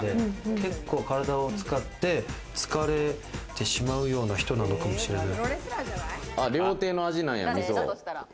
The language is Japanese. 結構、体を使って疲れてしまうような人なのかもしれない。